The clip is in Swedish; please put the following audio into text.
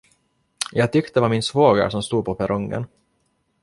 Jag tyckte det var min svåger som stod på perrongen.